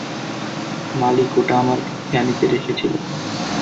মালিক ওটা আমার ফ্যানিতে রেখেছিলো।